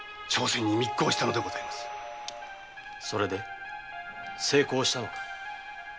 それで成功したのか？